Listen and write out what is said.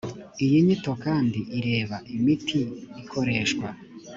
iyi nyito kandi ireba imiti ikoreshwa